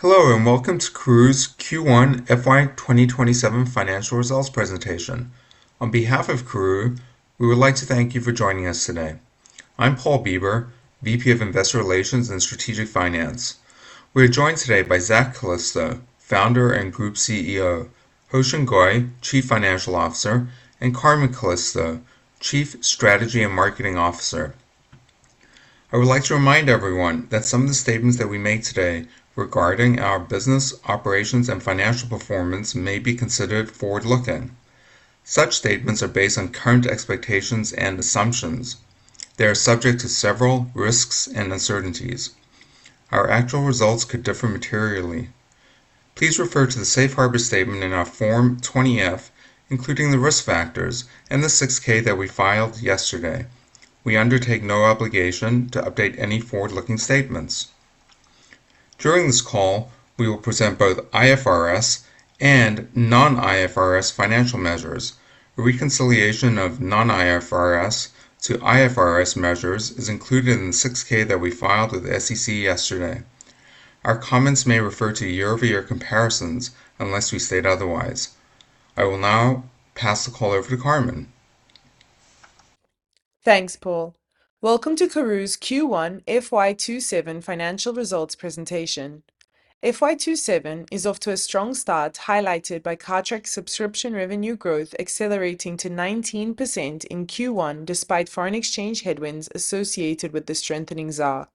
Hello, and welcome to Karooooo's Q1 FY 2027 financial results presentation. On behalf of Karooooo, we would like to thank you for joining us today. I'm Paul Bieber, VP of Investor Relations and Strategic Finance. We are joined today by Zak Calisto, Founder and Group CEO, Hoe Shin Goy, Chief Financial Officer, and Carmen Calisto, Chief Strategy and Marketing Officer. I would like to remind everyone that some of the statements that we make today regarding our business operations and financial performance may be considered forward-looking. Such statements are based on current expectations and assumptions. They are subject to several risks and uncertainties. Our actual results could differ materially. Please refer to the safe harbor statement in our Form 20-F, including the risk factors and the 6-K that we filed yesterday. We undertake no obligation to update any forward-looking statements. During this call, we will present both IFRS and non-IFRS financial measures. A reconciliation of non-IFRS to IFRS measures is included in the 6-K that we filed with the SEC yesterday. Our comments may refer to year-over-year comparisons, unless we state otherwise. I will now pass the call over to Carmen. Thanks, Paul. Welcome to Karooooo's Q1 FY 2027 financial results presentation. FY 2027 is off to a strong start, highlighted by Cartrack subscription revenue growth accelerating to 19% in Q1, despite foreign exchange headwinds associated with the strengthening ZAR.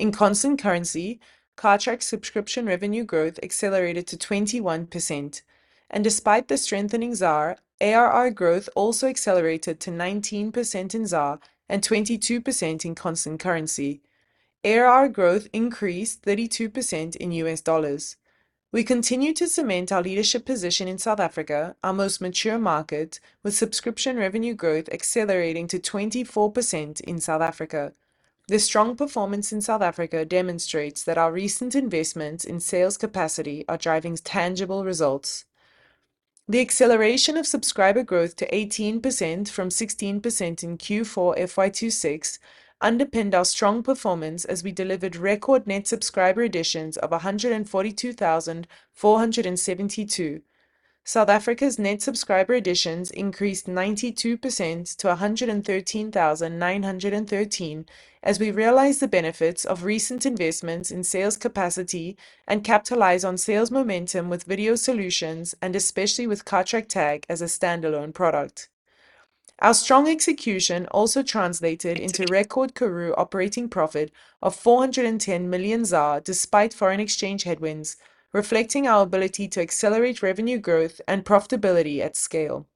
In constant currency, Cartrack subscription revenue growth accelerated to 21%, and despite the strengthening ZAR, ARR growth also accelerated to 19% in ZAR and 22% in constant currency. ARR growth increased 32% in U.S. dollars. We continue to cement our leadership position in South Africa, our most mature market, with subscription revenue growth accelerating to 24% in South Africa. This strong performance in South Africa demonstrates that our recent investments in sales capacity are driving tangible results. The acceleration of subscriber growth to 18% from 16% in Q4 FY 2026 underpinned our strong performance as we delivered record net subscriber additions of 142,472. South Africa's net subscriber additions increased 92% to 113,913 as we realized the benefits of recent investments in sales capacity and capitalized on sales momentum with video solutions, and especially with Cartrack-Tag as a standalone product. Our strong execution also translated into record Karooooo operating profit of 410 million ZAR despite foreign exchange headwinds, reflecting our ability to accelerate revenue growth and profitability at scale.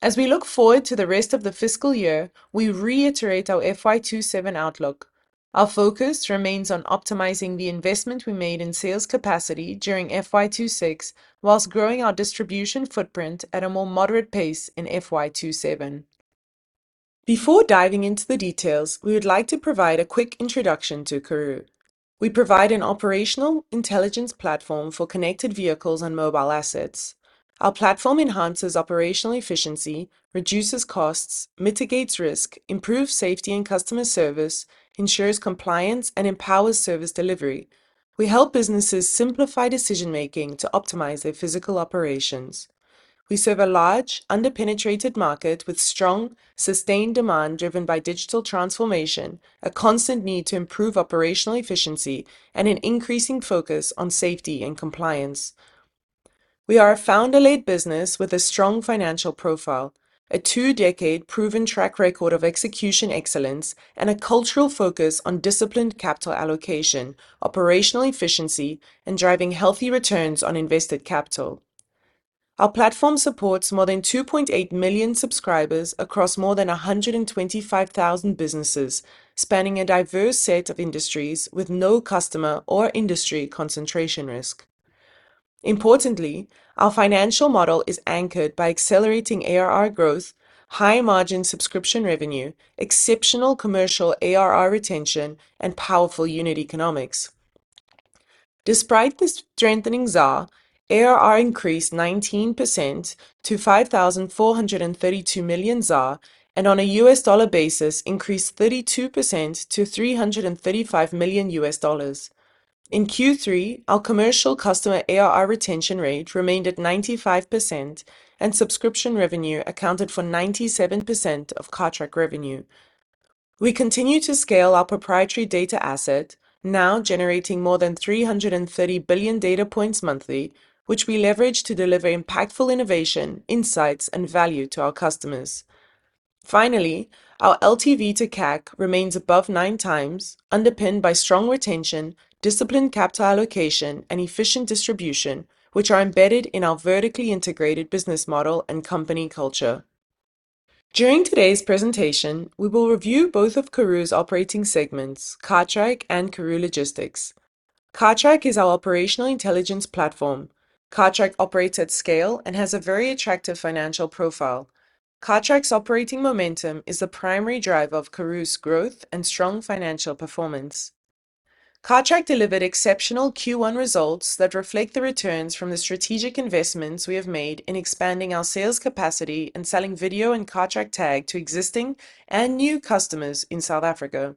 As we look forward to the rest of the fiscal year, we reiterate our FY 2027 outlook. Our focus remains on optimizing the investment we made in sales capacity during FY 2026, whilst growing our distribution footprint at a more moderate pace in FY 2027. Before diving into the details, we would like to provide a quick introduction to Karooooo. We provide an operational intelligence platform for connected vehicles and mobile assets. Our platform enhances operational efficiency, reduces costs, mitigates risk, improves safety and customer service, ensures compliance, and empowers service delivery. We help businesses simplify decision-making to optimize their physical operations. We serve a large under-penetrated market with strong, sustained demand driven by digital transformation, a constant need to improve operational efficiency, and an increasing focus on safety and compliance. We are a founder-led business with a strong financial profile, a two-decade proven track record of execution excellence, and a cultural focus on disciplined capital allocation, operational efficiency, and driving healthy returns on invested capital. Our platform supports more than 2.8 million subscribers across more than 125,000 businesses, spanning a diverse set of industries with no customer or industry concentration risk. Importantly, our financial model is anchored by accelerating ARR growth, high margin subscription revenue, exceptional commercial ARR retention, and powerful unit economics. Despite the strengthening ZAR, ARR increased 19% to 5,432 million, and on a U.S. dollar basis, increased 32% to $335 million. In Q3, our commercial customer ARR retention rate remained at 95%, and subscription revenue accounted for 97% of Cartrack revenue. We continue to scale our proprietary data asset, now generating more than 330 billion data points monthly, which we leverage to deliver impactful innovation, insights, and value to our customers. Our LTV to CAC remains above nine times, underpinned by strong retention, disciplined capital allocation, and efficient distribution, which are embedded in our vertically integrated business model and company culture. During today's presentation, we will review both of Karooooo's operating segments, Cartrack and Karooooo Logistics. Cartrack is our operational intelligence platform. Cartrack operates at scale and has a very attractive financial profile. Cartrack's operating momentum is the primary driver of Karooooo's growth and strong financial performance. Cartrack delivered exceptional Q1 results that reflect the returns from the strategic investments we have made in expanding our sales capacity and selling video and Cartrack-Tag to existing and new customers in South Africa.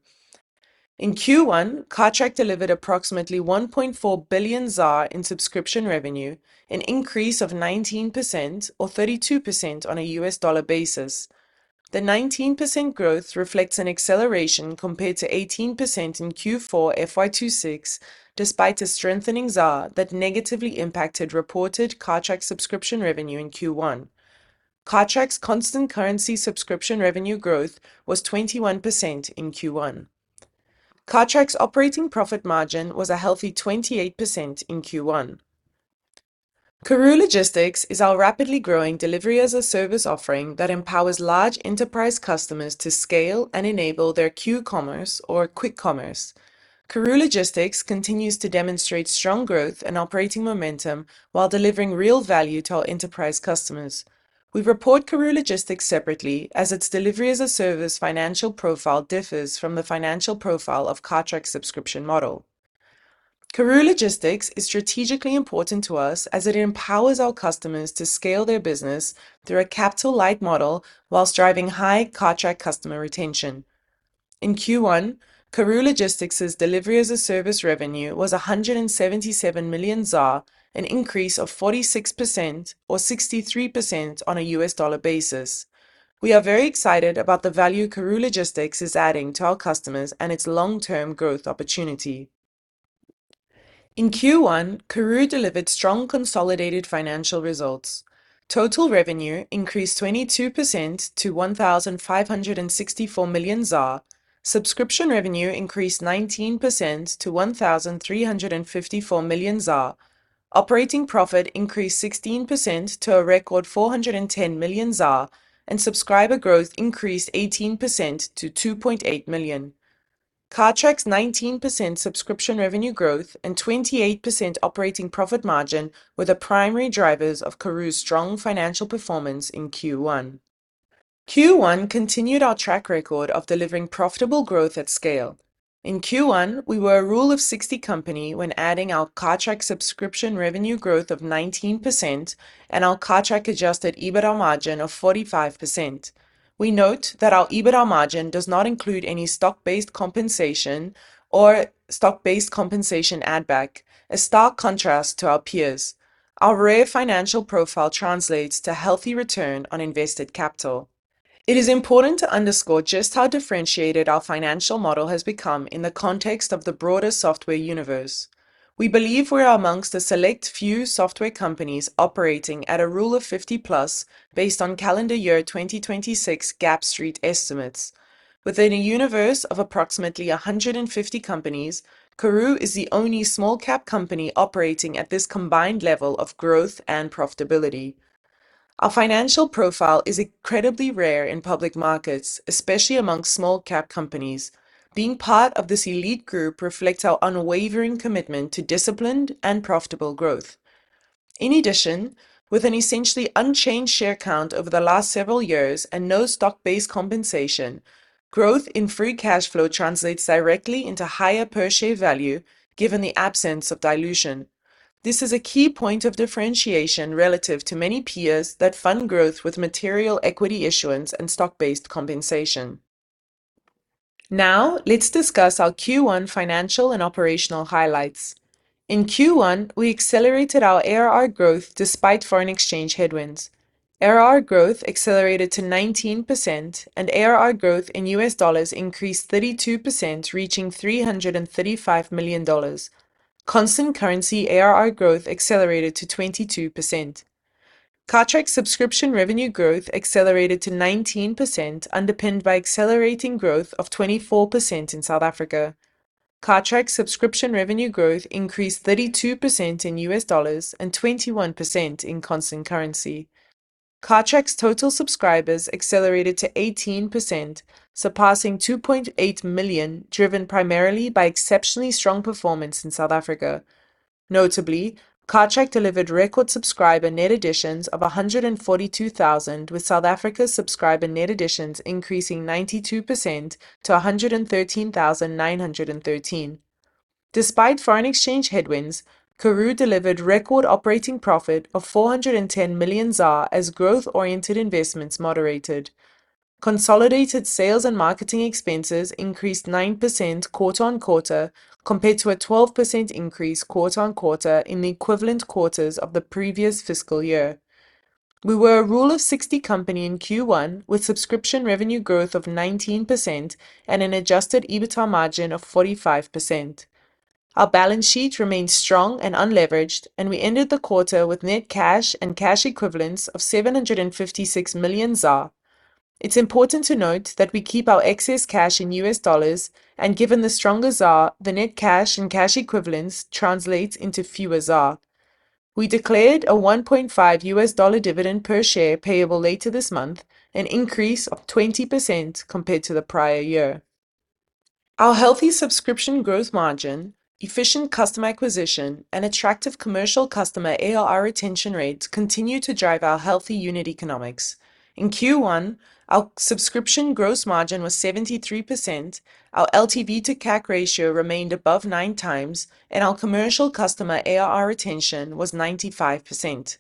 In Q1, Cartrack delivered approximately 1.4 billion ZAR in subscription revenue, an increase of 19% or 32% on a U.S. dollar basis. The 19% growth reflects an acceleration compared to 18% in Q4 FY 2026, despite a strengthening ZAR that negatively impacted reported Cartrack subscription revenue in Q1. Cartrack's constant currency subscription revenue growth was 21% in Q1. Cartrack's operating profit margin was a healthy 28% in Q1. Karooooo Logistics is our rapidly growing delivery-as-a-service offering that empowers large enterprise customers to scale and enable their Q-commerce or Quickcommerce. Karooooo Logistics continues to demonstrate strong growth and operating momentum while delivering real value to our enterprise customers. We report Karooooo Logistics separately as its delivery-as-a-service financial profile differs from the financial profile of Cartrack's subscription model. Karooooo Logistics is strategically important to us as it empowers our customers to scale their business through a capital-light model whilst driving high Cartrack customer retention. In Q1, Karooooo Logistics's delivery-as-a-service revenue was 177 million ZAR, an increase of 46% or 63% on a U.S. dollar basis. We are very excited about the value Karooooo Logistics is adding to our customers and its long-term growth opportunity. In Q1, Karooooo delivered strong consolidated financial results. Total revenue increased 22% to 1,564 million ZAR. Subscription revenue increased 19% to 1,354 million ZAR. Operating profit increased 16% to a record 410 million ZAR, and subscriber growth increased 18% to 2.8 million. Cartrack's 19% subscription revenue growth and 28% operating profit margin were the primary drivers of Karooooo's strong financial performance in Q1. Q1 continued our track record of delivering profitable growth at scale. In Q1, we were a rule of 60 company when adding our Cartrack subscription revenue growth of 19% and our Cartrack adjusted EBITDA margin of 45%. We note that our EBITDA margin does not include any stock-based compensation or stock-based compensation add back, a stark contrast to our peers. Our rare financial profile translates to healthy return on invested capital. It is important to underscore just how differentiated our financial model has become in the context of the broader software universe. We believe we are amongst the select few software companies operating at a rule of 50+ based on calendar year 2026 GAAP Street estimates. Within a universe of approximately 150 companies, Karooooo is the only small cap company operating at this combined level of growth and profitability. Our financial profile is incredibly rare in public markets, especially among small cap companies. Being part of this elite group reflects our unwavering commitment to disciplined and profitable growth. In addition, with an essentially unchanged share count over the last several years and no stock-based compensation, growth in free cash flow translates directly into higher per share value given the absence of dilution. This is a key point of differentiation relative to many peers that fund growth with material equity issuance and stock-based compensation. Let's discuss our Q1 financial and operational highlights. In Q1, we accelerated our ARR growth despite foreign exchange headwinds. ARR growth accelerated to 19%. ARR growth in U.S. dollars increased 32%, reaching $335 million. Constant currency ARR growth accelerated to 22%. Cartrack subscription revenue growth accelerated to 19%, underpinned by accelerating growth of 24% in South Africa. Cartrack subscription revenue growth increased 32% in U.S. dollars and 21% in constant currency. Cartrack's total subscribers accelerated to 18%, surpassing 2.8 million, driven primarily by exceptionally strong performance in South Africa. Notably, Cartrack delivered record subscriber net additions of 142,000, with South Africa's subscriber net additions increasing 92% to 113,913. Despite foreign exchange headwinds, Karooooo delivered record operating profit of 410 million ZAR as growth-oriented investments moderated. Consolidated sales and marketing expenses increased 9% quarter-on-quarter compared to a 12% increase quarter-on-quarter in the equivalent quarters of the previous fiscal year. We were a rule of 60 company in Q1 with subscription revenue growth of 19% and an adjusted EBITDA margin of 45%. Our balance sheet remains strong and unleveraged. We ended the quarter with net cash and cash equivalents of 756 million ZAR. It's important to note that we keep our excess cash in U.S. dollars. Given the stronger ZAR, the net cash and cash equivalents translate into fewer ZAR. We declared a $1.5 dividend per share payable later this month, an increase of 20% compared to the prior year. Our healthy subscription gross margin, efficient customer acquisition, and attractive commercial customer ARR retention rates continue to drive our healthy unit economics. In Q1, our subscription gross margin was 73%, our LTV to CAC ratio remained above 9x. Our commercial customer ARR retention was 95%.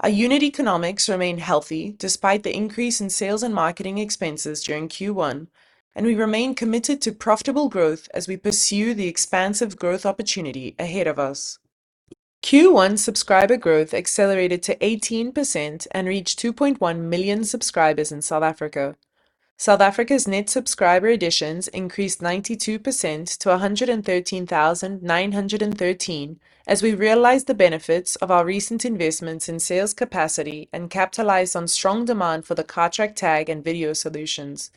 Our unit economics remain healthy despite the increase in sales and marketing expenses during Q1, and we remain committed to profitable growth as we pursue the expansive growth opportunity ahead of us. Q1 subscriber growth accelerated to 18% and reached 2.1 million subscribers in South Africa. South Africa's net subscriber additions increased 92% to 113,913 as we realized the benefits of our recent investments in sales capacity and capitalized on strong demand for the Cartrack-Tag and video solutions.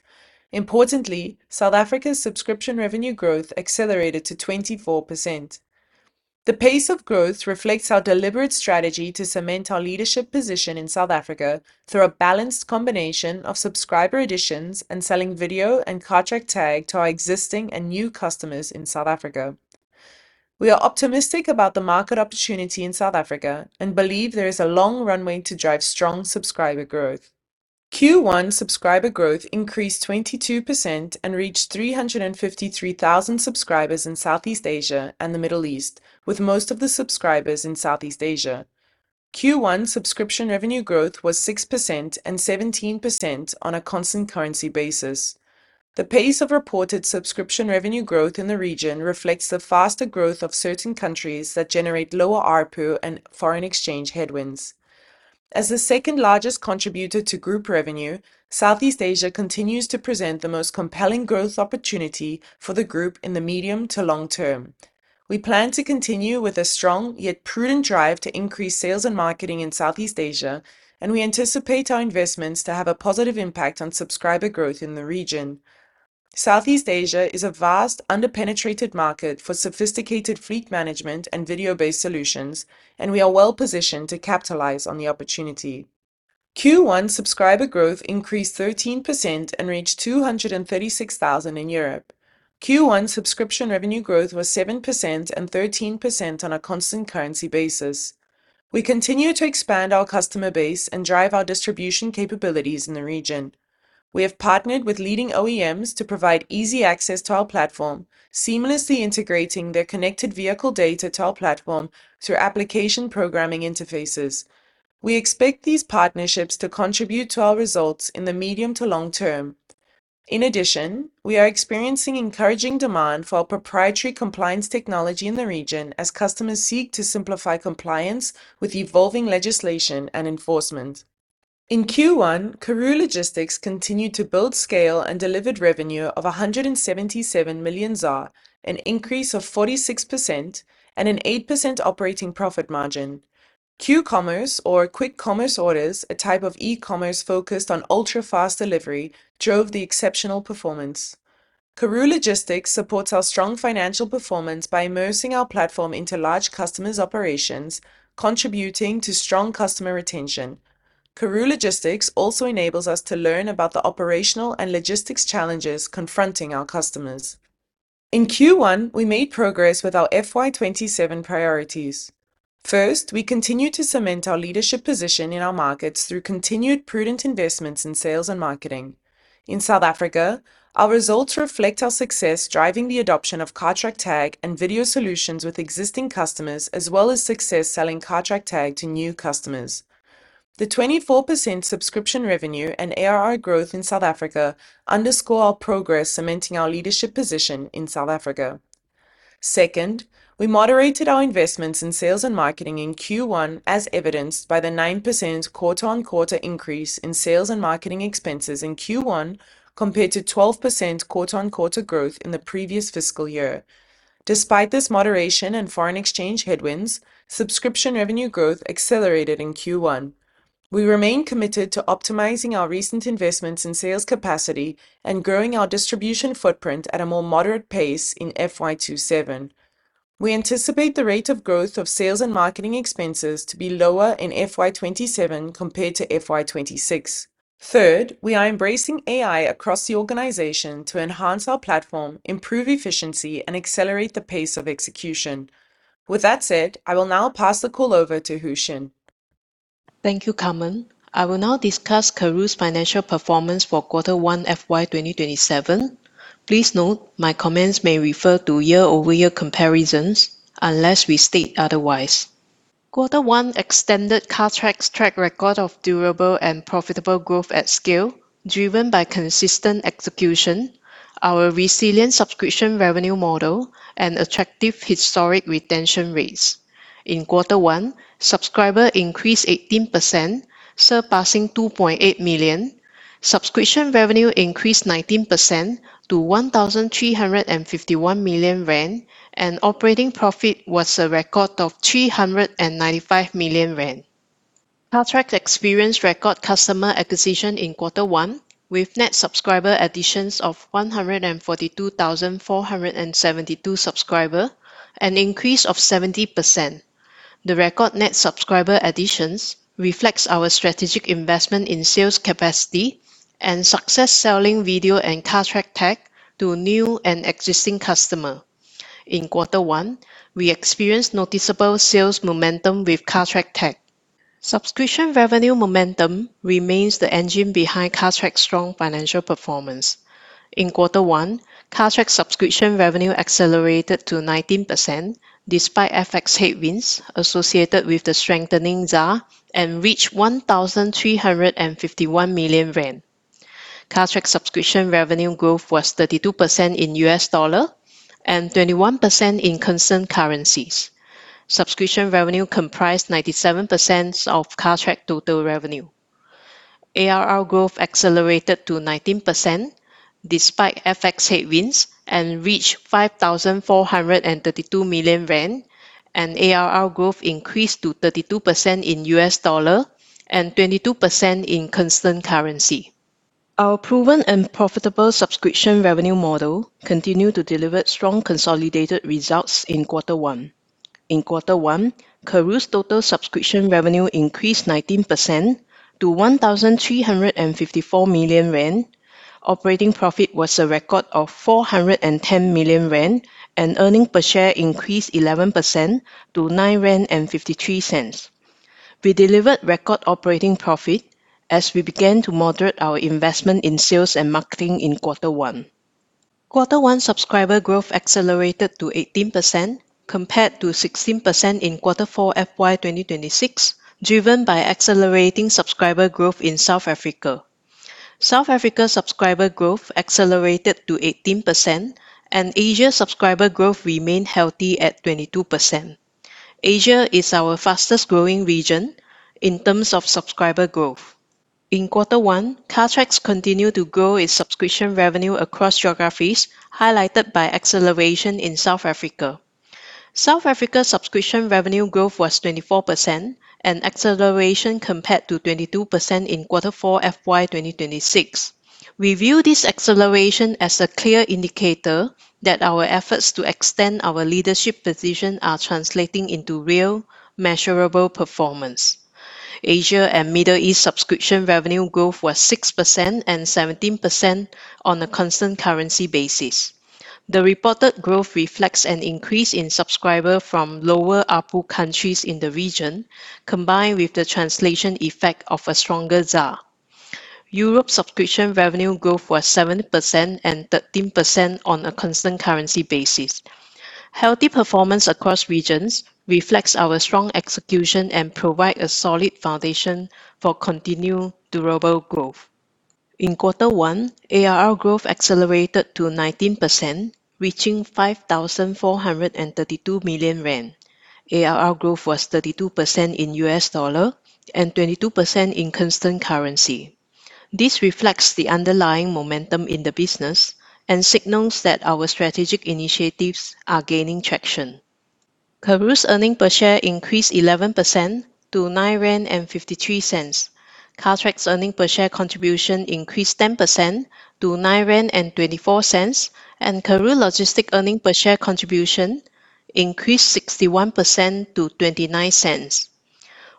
Importantly, South Africa's subscription revenue growth accelerated to 24%. The pace of growth reflects our deliberate strategy to cement our leadership position in South Africa through a balanced combination of subscriber additions and selling video and Cartrack-Tag to our existing and new customers in South Africa. We are optimistic about the market opportunity in South Africa and believe there is a long runway to drive strong subscriber growth. Q1 subscriber growth increased 22% and reached 353,000 subscribers in Southeast Asia and the Middle East, with most of the subscribers in Southeast Asia. Q1 subscription revenue growth was 6% and 17% on a constant currency basis. The pace of reported subscription revenue growth in the region reflects the faster growth of certain countries that generate lower ARPU and foreign exchange headwinds. As the second-largest contributor to group revenue, Southeast Asia continues to present the most compelling growth opportunity for the group in the medium to long term. We plan to continue with a strong yet prudent drive to increase sales and marketing in Southeast Asia, and we anticipate our investments to have a positive impact on subscriber growth in the region. Southeast Asia is a vast, under-penetrated market for sophisticated fleet management and video-based solutions, and we are well-positioned to capitalize on the opportunity. Q1 subscriber growth increased 13% and reached 236,000 in Europe. Q1 subscription revenue growth was 7% and 13% on a constant currency basis. We continue to expand our customer base and drive our distribution capabilities in the region. We have partnered with leading OEMs to provide easy access to our platform, seamlessly integrating their connected vehicle data to our platform through application programming interfaces. We expect these partnerships to contribute to our results in the medium to long term. In addition, we are experiencing encouraging demand for our proprietary compliance technology in the region as customers seek to simplify compliance with evolving legislation and enforcement. In Q1, Karooooo Logistics continued to build scale and delivered revenue of 177 million ZAR, an increase of 46% and an 8% operating profit margin. Q-commerce or Quickcommerce orders, a type of e-commerce focused on ultra-fast delivery drove the exceptional performance. Karooooo Logistics supports our strong financial performance by immersing our platform into large customers' operations, contributing to strong customer retention. Karooooo Logistics also enables us to learn about the operational and logistics challenges confronting our customers. In Q1, we made progress with our FY 2027 priorities. First, we continued to cement our leadership position in our markets through continued prudent investments in sales and marketing. In South Africa, our results reflect our success driving the adoption of Cartrack-Tag and video solutions with existing customers, as well as success selling Cartrack-Tag to new customers. The 24% subscription revenue and ARR growth in South Africa underscore our progress cementing our leadership position in South Africa. Second, we moderated our investments in sales and marketing in Q1, as evidenced by the 9% quarter-on-quarter increase in sales and marketing expenses in Q1 compared to 12% quarter-on-quarter growth in the previous fiscal year. Despite this moderation in foreign exchange headwinds, subscription revenue growth accelerated in Q1. We remain committed to optimizing our recent investments in sales capacity and growing our distribution footprint at a more moderate pace in FY 2027. We anticipate the rate of growth of sales and marketing expenses to be lower in FY 2027 compared to FY 2026. Third, we are embracing AI across the organization to enhance our platform, improve efficiency, and accelerate the pace of execution. With that said, I will now pass the call over to Hoe Shin. Thank you, Carmen. I will now discuss Karooooo's financial performance for quarter one FY 2027. Please note, my comments may refer to year-over-year comparisons unless we state otherwise. Quarter one extended Cartrack's track record of durable and profitable growth at scale, driven by consistent execution, our resilient subscription revenue model, and attractive historic retention rates. In quarter one, subscriber increased 18%, surpassing 2.8 million. Subscription revenue increased 19% to 1,351 million rand, and operating profit was a record of 395 million rand. Cartrack experienced record customer acquisition in quarter one with net subscriber additions of 142,472 subscriber, an increase of 70%. The record net subscriber additions reflects our strategic investment in sales capacity and success selling video and Cartrack-Tag to new and existing customer. In quarter one, we experienced noticeable sales momentum with Cartrack-Tag. Subscription revenue momentum remains the engine behind Cartrack's strong financial performance. In quarter one, Cartrack's subscription revenue accelerated to 19%, despite FX headwinds associated with the strengthening ZAR, and reached 1,351 million rand. Cartrack subscription revenue growth was 32% in U.S. dollar and 21% in constant currencies. Subscription revenue comprised 97% of Cartrack total revenue. ARR growth accelerated to 19% despite FX headwinds and reached 5,432 million rand. ARR growth increased to 32% in U.S. dollar and 22% in constant currency. Our proven and profitable subscription revenue model continued to deliver strong consolidated results in quarter one. In quarter one, Karooooo's total subscription revenue increased 19% to 1,354 million rand. Operating profit was a record of 410 million rand, and earnings per share increased 11% to 9.53 rand. We delivered record operating profit as we began to moderate our investment in sales and marketing in quarter one. Quarter one subscriber growth accelerated to 18% compared to 16% in quarter four, FY 2026, driven by accelerating subscriber growth in South Africa. South Africa subscriber growth accelerated to 18%, and Asia subscriber growth remained healthy at 22%. Asia is our fastest-growing region in terms of subscriber growth. In quarter one, Cartrack continued to grow its subscription revenue across geographies, highlighted by acceleration in South Africa. South Africa subscription revenue growth was 24% and acceleration compared to 22% in quarter four, FY 2026. We view this acceleration as a clear indicator that our efforts to extend our leadership position are translating into real, measurable performance. Asia and Middle East subscription revenue growth was 6% and 17% on a constant currency basis. The reported growth reflects an increase in subscriber from lower ARPU countries in the region, combined with the translation effect of a stronger ZAR. Europe subscription revenue growth was 7% and 13% on a constant currency basis. Healthy performance across regions reflects our strong execution and provide a solid foundation for continued durable growth. In Q1, ARR growth accelerated to 19%, reaching 5,432 million rand. ARR growth was 32% in U.S. dollar and 22% in constant currency. This reflects the underlying momentum in the business and signals that our strategic initiatives are gaining traction. Karooooo's earnings per share increased 11% to 9.53 rand. Cartrack's earnings per share contribution increased 10% to 9.24 rand, and Karooooo Logistics earnings per share contribution increased 61% to 0.29.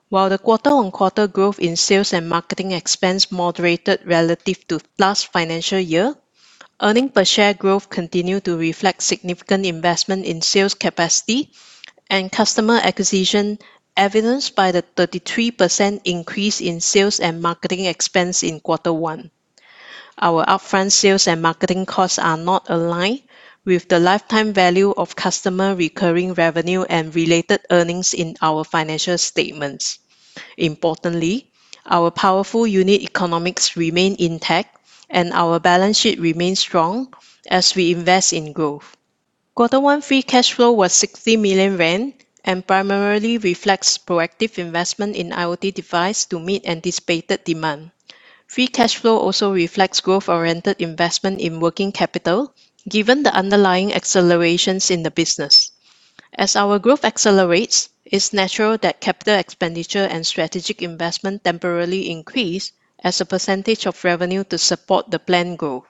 While the quarter-on-quarter growth in sales and marketing expense moderated relative to last financial year, earnings per share growth continued to reflect significant investment in sales capacity and customer acquisition, evidenced by the 33% increase in sales and marketing expense in Q1. Our upfront sales and marketing costs are not aligned with the lifetime value of customer recurring revenue and related earnings in our financial statements. Importantly, our powerful unit economics remain intact, and our balance sheet remains strong as we invest in growth. Quarter one free cash flow was 60 million rand and primarily reflects proactive investment in IoT device to meet anticipated demand. Free cash flow also reflects growth-oriented investment in working capital, given the underlying accelerations in the business. As our growth accelerates, it's natural that capital expenditure and strategic investment temporarily increase as a percentage of revenue to support the planned growth.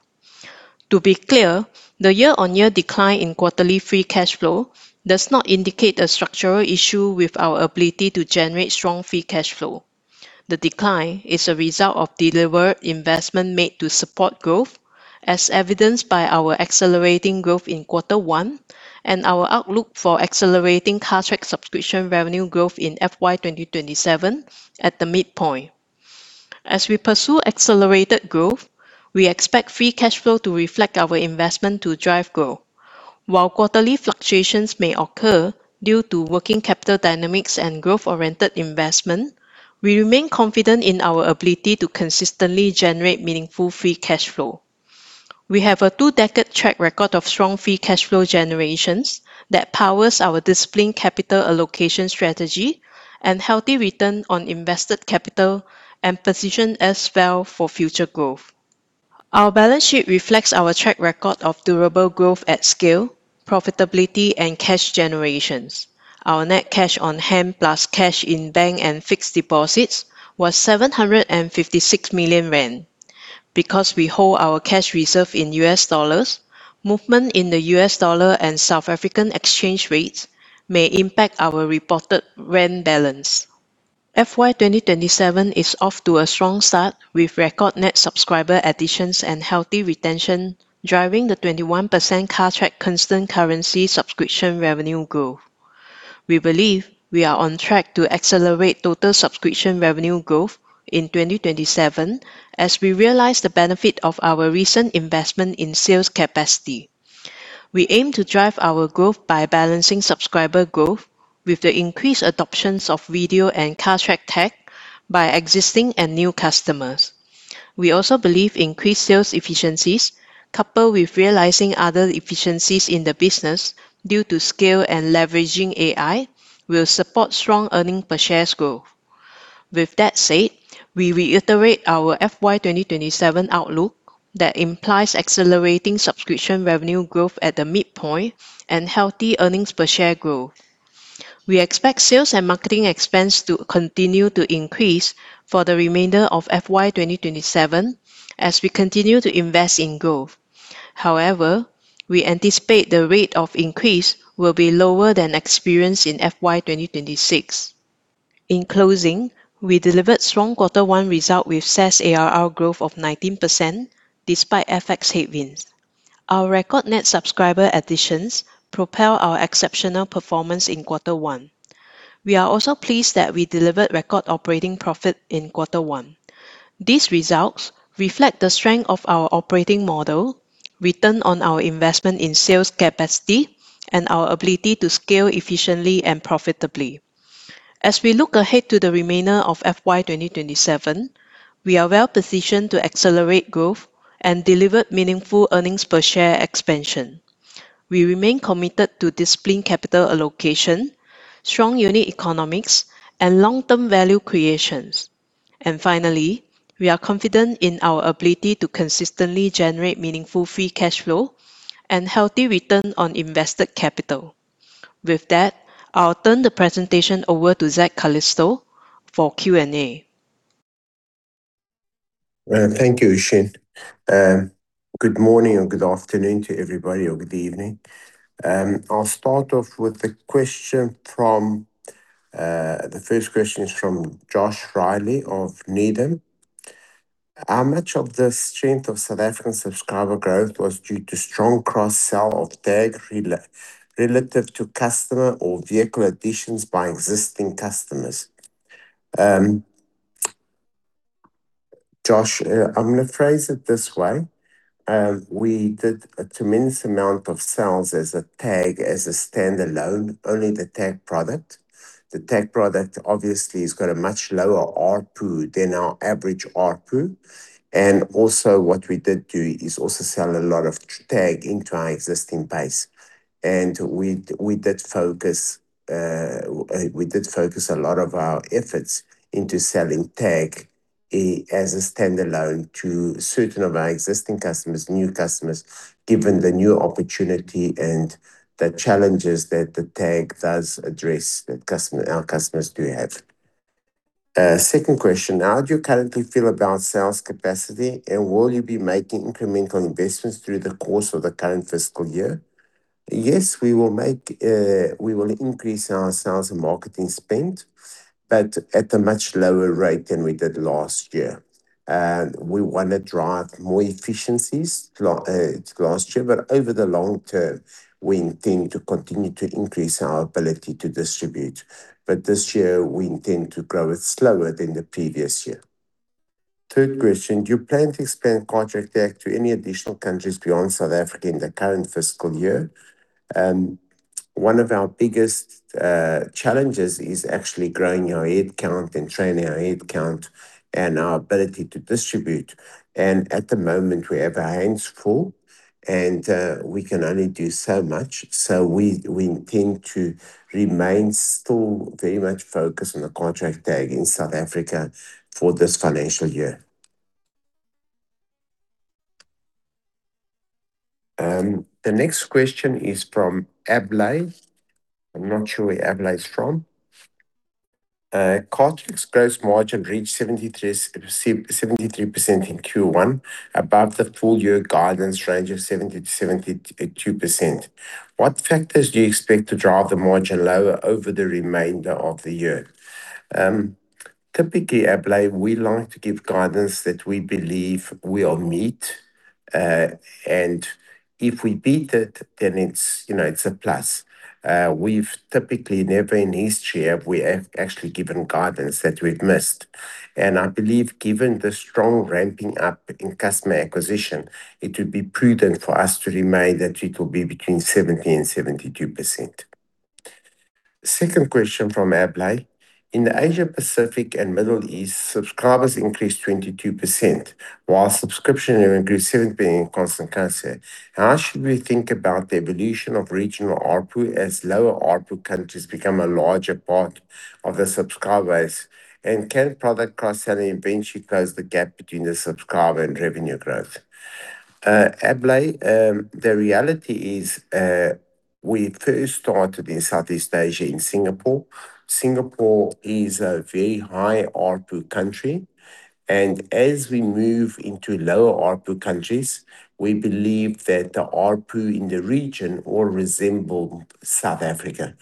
To be clear, the year-on-year decline in quarterly free cash flow does not indicate a structural issue with our ability to generate strong free cash flow. The decline is a result of delivered investment made to support growth, as evidenced by our accelerating growth in quarter one and our outlook for accelerating Cartrack subscription revenue growth in FY 2027 at the midpoint. As we pursue accelerated growth, we expect free cash flow to reflect our investment to drive growth. While quarterly fluctuations may occur due to working capital dynamics and growth-oriented investment, we remain confident in our ability to consistently generate meaningful free cash flow. We have a two-decade track record of strong free cash flow generations that powers our disciplined capital allocation strategy and healthy return on invested capital and position us well for future growth. Our balance sheet reflects our track record of durable growth at scale, profitability, and cash generations. Our net cash on hand plus cash in bank and fixed deposits was 756 million rand. Because we hold our cash reserve in U.S. dollars, movement in the U.S. dollar and South African exchange rates may impact our reported ZAR balance. FY 2027 is off to a strong start with record net subscriber additions and healthy retention, driving the 21% Cartrack constant currency subscription revenue growth. We believe we are on track to accelerate total subscription revenue growth in 2027 as we realize the benefit of our recent investment in sales capacity. We aim to drive our growth by balancing subscriber growth with the increased adoptions of video and Cartrack-Tag by existing and new customers. We also believe increased sales efficiencies, coupled with realizing other efficiencies in the business due to scale and leveraging AI, will support strong earnings per share growth. With that said, we reiterate our FY 2027 outlook that implies accelerating subscription revenue growth at the midpoint and healthy earnings per share growth. We expect sales and marketing expense to continue to increase for the remainder of FY 2027 as we continue to invest in growth. However, we anticipate the rate of increase will be lower than experienced in FY 2026. In closing, we delivered strong quarter one result with SaaS ARR growth of 19%, despite FX headwinds. Our record net subscriber additions propel our exceptional performance in quarter one. We are also pleased that we delivered record operating profit in quarter one. These results reflect the strength of our operating model, return on our investment in sales capacity, and our ability to scale efficiently and profitably. As we look ahead to the remainder of FY 2027, we are well-positioned to accelerate growth and deliver meaningful earnings per share expansion. We remain committed to disciplined capital allocation, strong unit economics, and long-term value creations. Finally, we are confident in our ability to consistently generate meaningful free cash flow and healthy return on invested capital. With that, I'll turn the presentation over to Zak Calisto for Q&A. Thank you, Hoe Shin. Good morning or good afternoon to everybody, or good evening. I'll start off with the first question from Josh Reilly of Needham. How much of the strength of South African subscriber growth was due to strong cross-sell of Tag relative to customer or vehicle additions by existing customers? Josh, I'm going to phrase it this way. We did a tremendous amount of sales as a Tag as a standalone, only the Tag product. The Tag product obviously has got a much lower ARPU than our average ARPU. Also, what we did do is also sell a lot of Tag into our existing base. We did focus a lot of our efforts into selling Tag as a standalone to certain of our existing customers, new customers, given the new opportunity and the challenges that the Tag does address that our customers do have. Second question, how do you currently feel about sales capacity, and will you be making incremental investments through the course of the current fiscal year? Yes, we will increase our sales and marketing spend, but at a much lower rate than we did last year. We want to drive more efficiencies to last year. Over the long term, we intend to continue to increase our ability to distribute. This year, we intend to grow it slower than the previous year. Third question, do you plan to expand Cartrack-Tag to any additional countries beyond South Africa in the current fiscal year? One of our biggest challenges is actually growing our headcount and training our headcount and our ability to distribute. At the moment, we have our hands full, and we can only do so much. We intend to remain still very much focused on the Cartrack-Tag in South Africa for this financial year. The next question is from [Ablay]. I am not sure where [Ablay's] from. Cartrack gross margin reached 73% in Q1, above the full-year guidance range of 70%-72%. What factors do you expect to drive the margin lower over the remainder of the year? Typically, [Ablay], we like to give guidance that we believe we will meet, and if we beat it, then it is a plus. We have typically never in history have we actually given guidance that we have missed. I believe given the strong ramping up in customer acquisition, it would be prudent for us to remain that it will be between 70% and 72%. Second question from [Ablay] In the Asia-Pacific and Middle East, subscribers increased 22%, while subscription revenue increased 17% in constant currency. How should we think about the evolution of regional ARPU as lower ARPU countries become a larger part of the subscriber base? Can product cross-selling eventually close the gap between the subscriber and revenue growth? [Ablay] the reality is we first started in Southeast Asia in Singapore. Singapore is a very high ARPU country, and as we move into lower ARPU countries, we believe that the ARPU in the region will resemble South Africa.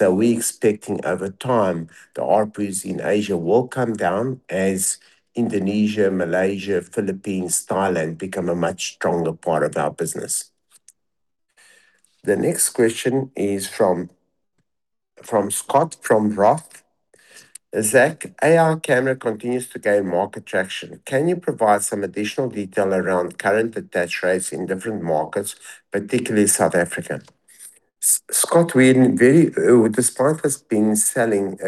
We are expecting over time, the ARPUs in Asia will come down as Indonesia, Malaysia, Philippines, Thailand become a much stronger part of our business. The next question is from Scott from Roth. Zak, AI camera continues to gain market traction. Can you provide some additional detail around current attach rates in different markets, particularly South Africa? Scott, despite us being selling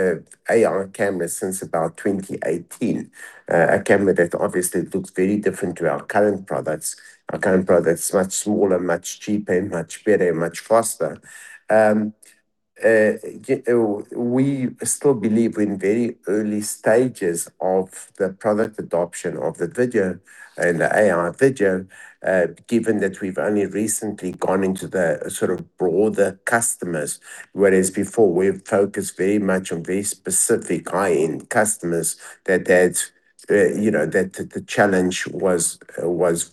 AI cameras since about 2018, a camera that obviously looks very different to our current products. Our current product is much smaller, much cheaper, much better, and much faster. We still believe we are in very early stages of the product adoption of the video and the AI video, given that we have only recently gone into the broader customers. Whereas before, we have focused very much on very specific high-end customers that the challenge was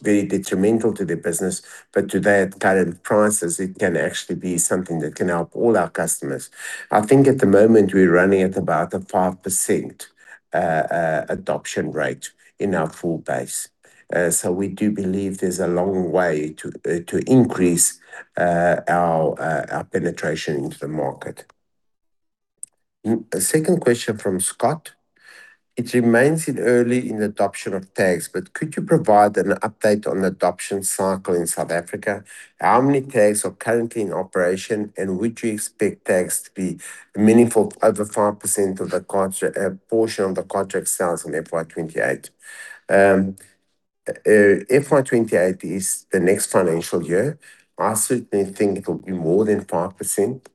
very detrimental to their business. Today, at current prices, it can actually be something that can help all our customers. I think at the moment, we are running at about a 5% adoption rate in our full base. We do believe there is a long way to increase our penetration into the market. A second question from Scott: It remains early in adoption of Tags, could you provide an update on adoption cycle in South Africa? How many Tags are currently in operation, and would you expect Tags to be meaningful over 5% of the portion of the Cartrack sales in FY 2028? FY 2028 is the next financial year. I certainly think it will be more than 5%,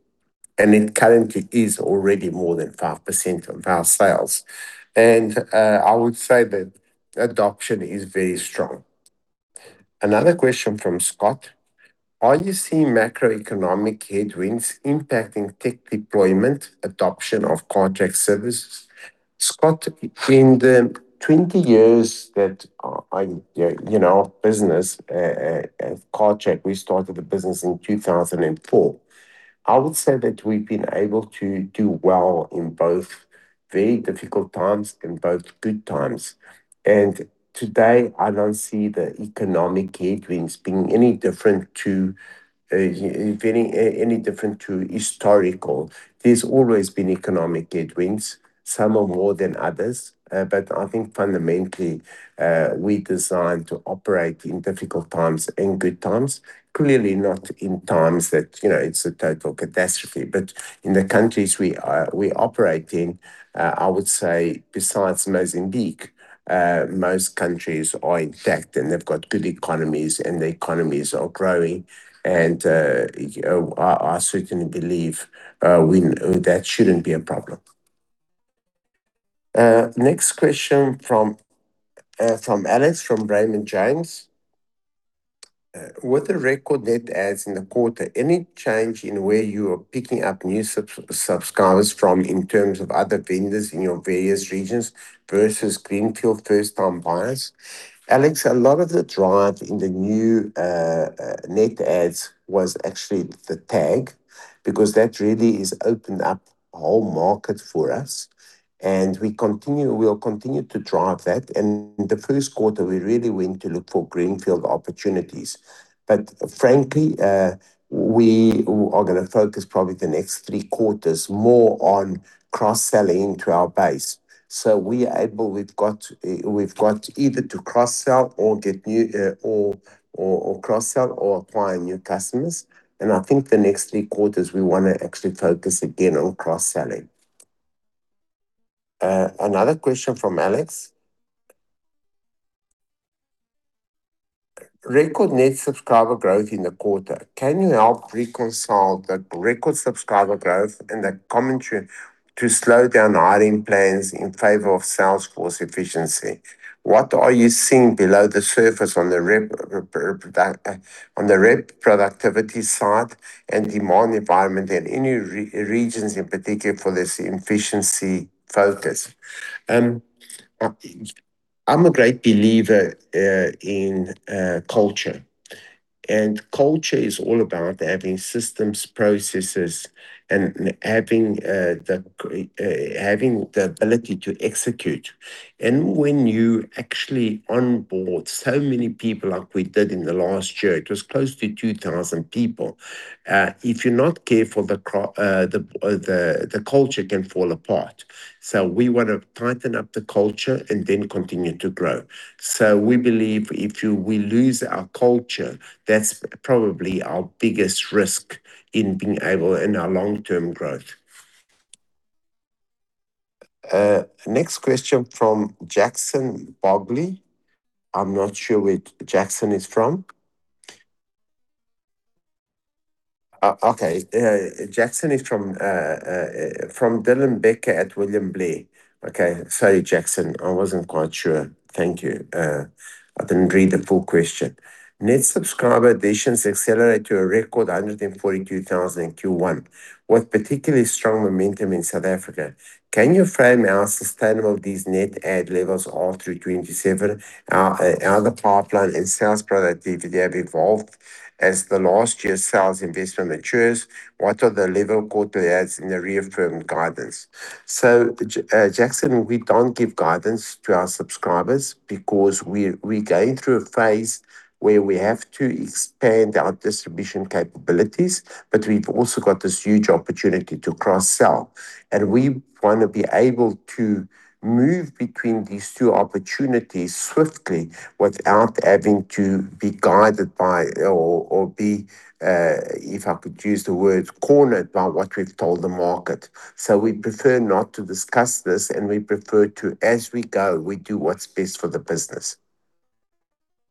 and it currently is already more than 5% of our sales. I would say that adoption is very strong. Another question from Scott: Are you seeing macroeconomic headwinds impacting tech deployment, adoption of Cartrack services? Scott, in the 20 years that our business, Cartrack, we started the business in 2004. I would say that we have been able to do well in both very difficult times and both good times. Today, I do not see the economic headwinds being any different to historical. There's always been economic headwinds, some are more than others. I think fundamentally, we're designed to operate in difficult times and good times. Clearly not in times that it's a total catastrophe. In the countries we operate in, I would say besides Mozambique, most countries are intact, and they've got good economies, and the economies are growing. I certainly believe that shouldn't be a problem. Next question from Alex from Raymond James. "With the record net adds in the quarter, any change in where you are picking up new subscribers from in terms of other vendors in your various regions versus greenfield first-time buyers?" Alex, a lot of the drive in the new net adds was actually the Cartrack-Tag because that really has opened up a whole market for us, and we'll continue to drive that. In the first quarter, we really went to look for greenfield opportunities. Frankly, we are going to focus probably the next three quarters more on cross-selling to our base. We've got either to cross-sell or acquire new customers, and I think the next three quarters, we want to actually focus again on cross-selling. Another question from Alex. "Record net subscriber growth in the quarter. Can you help reconcile the record subscriber growth and the commentary to slow down hiring plans in favor of salesforce efficiency? What are you seeing below the surface on the rep productivity side and demand environment and any regions in particular for this efficiency focus?" I'm a great believer in culture, and culture is all about having systems, processes, and having the ability to execute. When you actually onboard so many people like we did in the last year, it was close to 2,000 people. If you're not careful, the culture can fall apart. We want to tighten up the culture and then continue to grow. We believe if we lose our culture, that's probably our biggest risk in our long-term growth. Next question from Jackson Bogli. I'm not sure where Jackson is from. Jackson is from-- Dylan Becker at William Blair. Sorry, Jackson. I wasn't quite sure. Thank you. I didn't read the full question. "Net subscriber additions accelerate to a record 142,000 in Q1 with particularly strong momentum in South Africa. Can you frame how sustainable these net add levels are through 2027? How the pipeline and sales productivity have evolved as the last year's sales investment matures. What are the level of quarterly adds in the reaffirmed guidance?" Jackson, we don't give guidance to our subscribers because we're going through a phase where we have to expand our distribution capabilities, but we've also got this huge opportunity to cross-sell, and we want to be able to move between these two opportunities swiftly without having to be guided by or be, if I could use the word, cornered by what we've told the market. We prefer not to discuss this, and we prefer to, as we go, we do what's best for the business.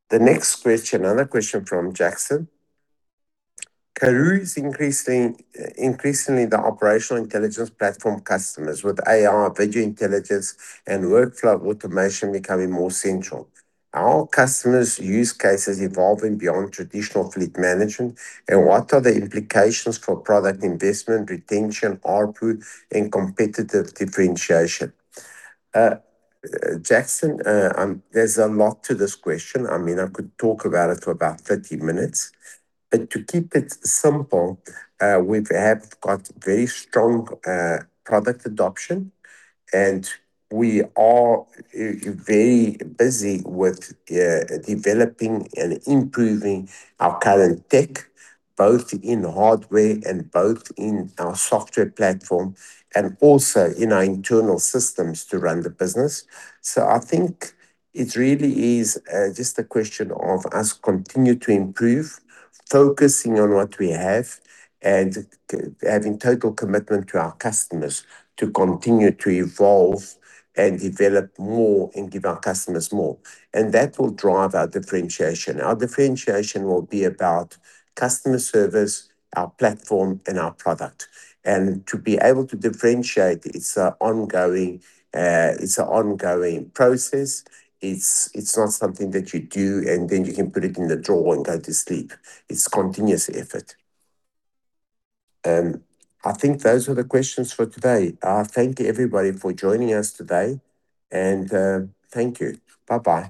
The next question, another question from Jackson. "Karooooo is increasingly the operational intelligence platform customers with AI, video intelligence, and workflow automation becoming more central. Are customers' use cases evolving beyond traditional fleet management, and what are the implications for product investment, retention, ARPU, and competitive differentiation?" Jackson, there's a lot to this question. I could talk about it for about 30 minutes. To keep it simple, we have got very strong product adoption, and we are very busy with developing and improving our current tech, both in hardware and both in our software platform, and also in our internal systems to run the business. I think it really is just a question of us continue to improve, focusing on what we have, and having total commitment to our customers to continue to evolve and develop more and give our customers more. That will drive our differentiation. Our differentiation will be about customer service, our platform, and our product. To be able to differentiate, it's an ongoing process. It's not something that you do and then you can put it in the drawer and go to sleep. It's continuous effort. I think those were the questions for today. Thank you everybody for joining us today, and thank you. Bye-bye.